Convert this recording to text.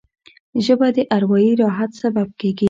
ژبه د اروايي راحت سبب کېږي